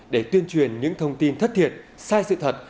để tuyên truyền những thông tin thất thiệt sai sự thật